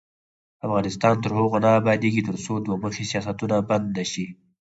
افغانستان تر هغو نه ابادیږي، ترڅو دوه مخي سیاستونه بند نشي.